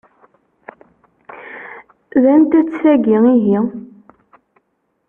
D anta-tt tagi ihi?